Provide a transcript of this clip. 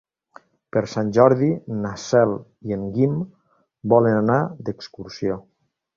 Per Sant Jordi na Cel i en Guim volen anar d'excursió.